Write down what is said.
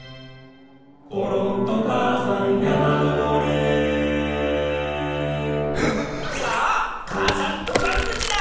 「ころんとかあさんやまのぼり」さあ母山とざんぐちだ。